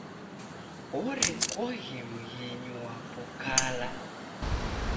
Orekoghe mghenyu wapo kala.